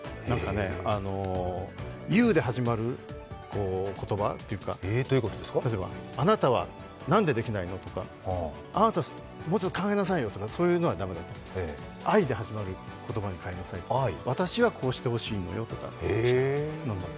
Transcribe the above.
ＹＯＵで始まる言葉というか、例えば、あなたはなんでできないのとかあなた、もうちょっと考えなさいよとそういうのは駄目だとＩで始まる言葉で始めなさい私はこうしてほしいんだよとか。